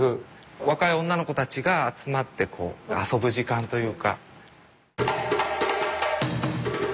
若い女の子たちが集まってこう遊ぶ時間というか。